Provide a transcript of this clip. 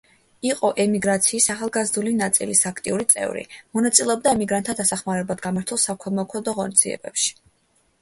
იყო ემიგრაციის ახალგაზრდული ნაწილის აქტიური წევრი, მონაწილეობდა ემიგრანტთა დასახმარებლად გამართულ საქველმოქმედო ღონისძიებებში.